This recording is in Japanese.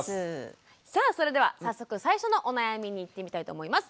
さあそれでは早速最初のお悩みにいってみたいと思います。